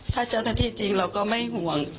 ถ้าเจ้าหน้าที่จริงเราก็ไม่ห่วง